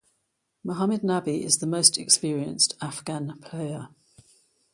Mohammad Nabi is the most experienced Afghan player.